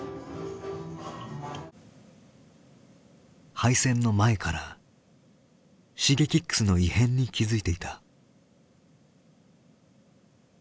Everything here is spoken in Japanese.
敗戦の前からＳｈｉｇｅｋｉｘの異変に気付いていた。